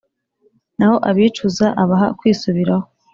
Naho abicuza, abaha kwisubiraho,